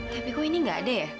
tapi ku ini gak ada ya